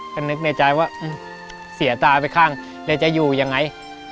ก็นึกในใจว่าเสียตาไปข้างเลยจะอยู่ยังไง